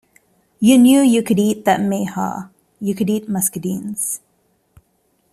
You knew you could eat that mayhaw, you could eat muscadines.